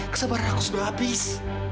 kesabaran aku sudah habis